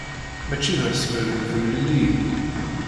Mačči d asmel n temliliyin.